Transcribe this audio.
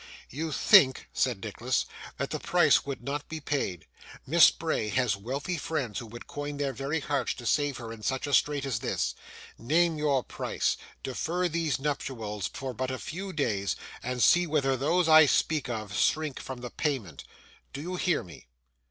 'You think,' said Nicholas, 'that the price would not be paid. Miss Bray has wealthy friends who would coin their very hearts to save her in such a strait as this. Name your price, defer these nuptials for but a few days, and see whether those I speak of, shrink from the payment. Do you hear me?